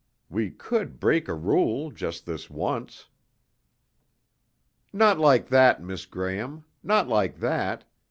We could break a rule, just this once." "Not like that, Miss Graham. Not like that.